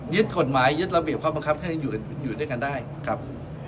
กฎหมายยึดระเบียบข้อบังคับให้อยู่ด้วยกันได้ครับ